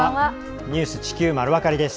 「ニュース地球まるわかり」です。